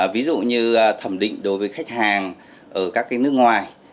ví dụ như thẩm định đối với khách hàng ở các nước ngoài